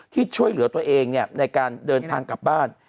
ช่วยเหลือตัวเองในการเดินทางกลับบ้าน